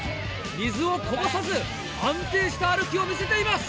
水をこぼさず安定した歩きを見せています。